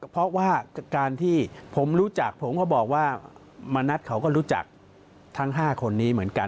เพราะว่าการที่ผมรู้จักผมก็บอกว่ามณัฐเขาก็รู้จักทั้ง๕คนนี้เหมือนกัน